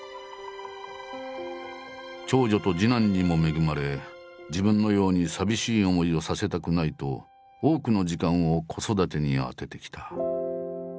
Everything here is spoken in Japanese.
長女と次男にも恵まれ自分のように寂しい思いをさせたくないと多くの時間を子育てに充ててきた。